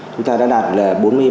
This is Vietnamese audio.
chúng ta đã đạt là bốn mươi ba hai